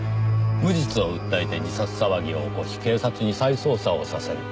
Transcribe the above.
無実を訴えて自殺騒ぎを起こし警察に再捜査をさせる。